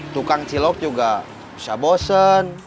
tukang cilok juga bisa bosen